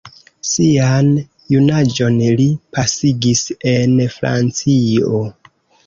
Sian junaĝon li pasigis en Francio.